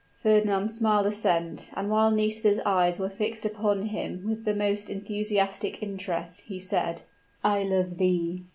Fernand smiled assent; and, while Nisida's eyes were fixed upon him with the most enthusiastic interest, he said, "I love thee!"